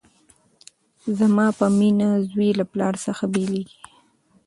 زما په مینه زوی له پلار څخه بیلیږي